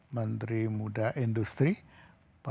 menteri muda industri empat